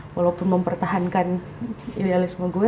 walaupun mempertahankan idealisme gue